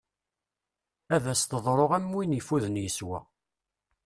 Ad as-teḍru am win ifuden yeswa.